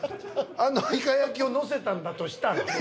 あのイカ焼きをのせたんだとしたら。